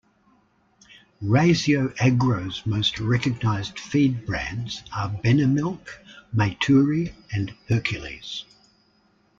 Raisioagro's most recognised feed brands are Benemilk, Maituri and Hercules.